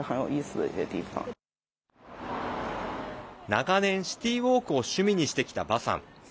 長年、シティーウォークを趣味にしてきた馬さん。